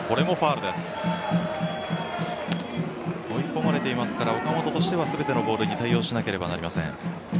追い込まれていますから岡本としては全てのボールに対応しなくてはいけません。